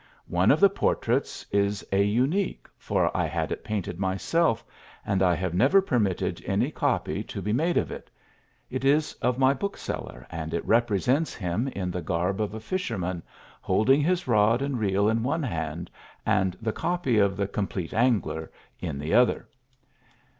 One of the portraits is a unique, for I had it painted myself, and I have never permitted any copy to be made of it; it is of my bookseller, and it represents him in the garb of a fisherman, holding his rod and reel in one hand and the copy of the "Compleat Angler" in the other.